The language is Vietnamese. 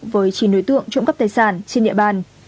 với chín đối tượng trộm cắp tài sản trên địa bàn